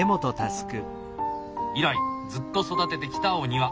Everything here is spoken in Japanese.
以来ずっと育ててきたお庭。